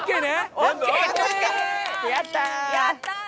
やったー！